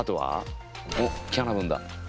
おっキャナブンだ。